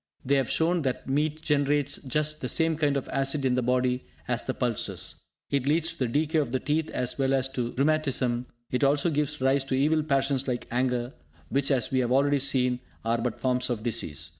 They have shown that meat generates just the same kind of acid in the body as the pulses. It leads to the decay of the teeth, as well as to rheumatism; it also gives rise to evil passions like anger, which, as we have already seen, are but forms of disease.